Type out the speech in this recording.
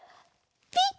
ピッ！